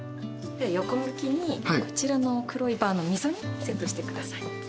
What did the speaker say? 横向きにこちらの黒い盤の溝にセットしてください。